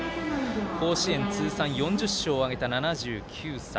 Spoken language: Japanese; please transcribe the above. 甲子園通算４０勝を挙げた７９歳。